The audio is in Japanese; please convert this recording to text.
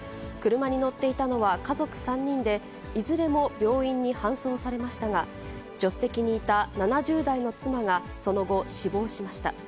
車に乗っていたのは家族３人で、いずれも病院に搬送されましたが、助手席にいた７０代の妻がその後、死亡しました。